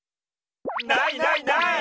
ないないない。